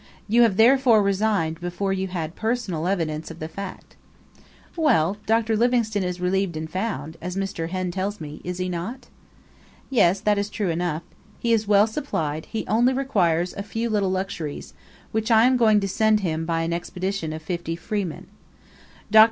You have therefore resigned before you had personal evidence of the fact." "Well, Dr. Livingstone is relieved and found, as Mr. Henn tells me, is he not?" "Yes, that is true enough. He is well supplied; he only requires a few little luxuries, which I am going to send him by an expedition of fifty freemen. Dr.